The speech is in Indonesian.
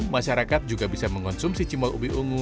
masyarakat juga bisa mengonsumsi cimol ubi ungu